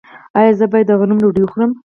ایا زه باید د غنمو ډوډۍ وخورم؟